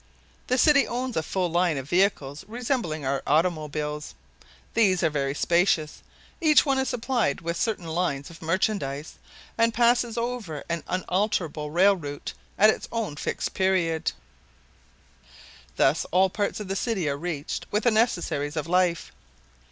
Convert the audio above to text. The city owns a full line of vehicles resembling our automobiles. These are very spacious. Each one is supplied with certain lines of merchandise and passes over an unalterable rail route at its own fixed period. Thus all parts of the city are reached with the necessaries of life.